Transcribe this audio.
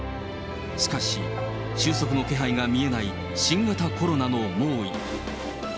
しかし、収束の気配が見えない新型コロナの猛威。